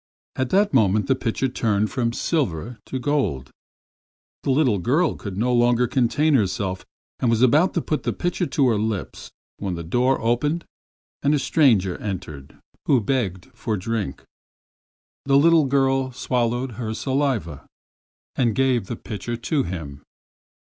In that moment the pitcher turned from silver to gold. The little girl could no longer contain herself and was about to put the pitcher to her lips, when the door opened and a stranger entered who begged for a drink. The little girl swallowed her saliva and gave the pitcher to him.